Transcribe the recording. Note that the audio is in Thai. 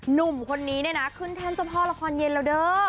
หนุ่มคนนี้เนี่ยนะขึ้นแท่นเจ้าพ่อละครเย็นแล้วเด้อ